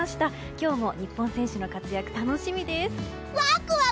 今日も日本選手の活躍楽しみですね。